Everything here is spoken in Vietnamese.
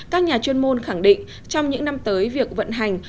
các nhà chuyên môn khẳng định trong những năm tới việc vận hành